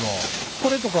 これとか。